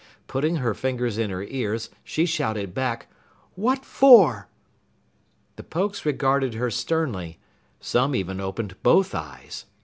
Putting her fingers in her ears, she shouted back: "What for?" The Pokes regarded her sternly. Some even opened both eyes.